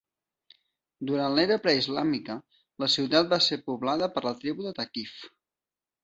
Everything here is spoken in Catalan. Durant l'era pre-islàmica, la ciutat va ser poblada per la tribu de Thaqif.